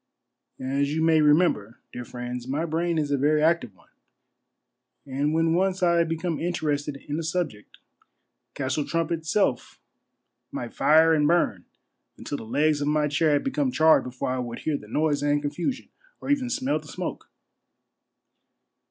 As you may remember, dear friends, my brain is a very active one ; and when once I become interested in a subject, Castle Trump itself might take tire and burn until the legs of my chair had become charred before I would hear the noise and confusion, or even smell the smoke.